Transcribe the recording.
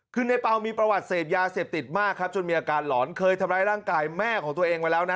คือในเปล่ามีประวัติเสพยาเสพติดมากครับจนมีอาการหลอนเคยทำร้ายร่างกายแม่ของตัวเองไว้แล้วนะ